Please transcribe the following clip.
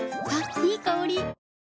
いい香り。